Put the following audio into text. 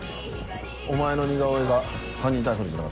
お前の似顔絵が犯人逮捕につながった。